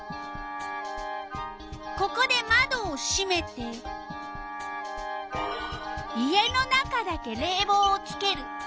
ここでまどをしめて家の中だけれいぼうをつける。